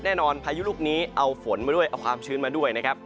พายุลูกนี้เอาฝนมาด้วยเอาความชื้นมาด้วยนะครับ